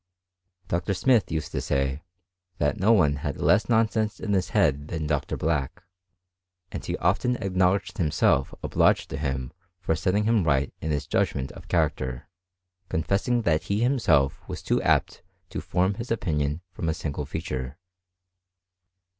Dr. Smith used to say, that no one had less nonsense in his head than Dr. Black ; and he ofteii acknowledged himself obliged to him for setting him right in his judgment of character, confessing that he himself was too apt to form his opinion from a single feature.